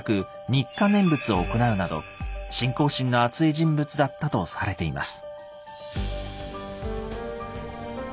「日課念仏」を行うなど信仰心のあつい人物だったとされています。